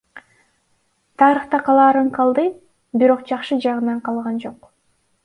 Тарыхта калаарын калды, бирок жакшы жагынан калган жок.